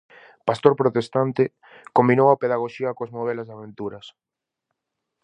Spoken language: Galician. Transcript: Pastor protestante, combinou a pedagoxía coas novelas de aventuras.